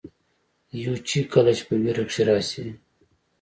يو چې کله پۀ وېره کښې راشي